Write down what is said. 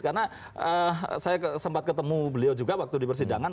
karena saya sempat ketemu beliau juga waktu di persidangan